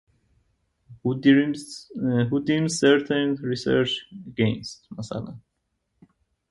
Who deems certain research grants to be worthy of funding?